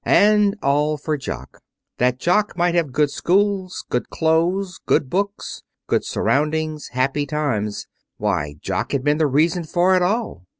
And all for Jock. That Jock might have good schools, good clothes, good books, good surroundings, happy times. Why, Jock had been the reason for it all!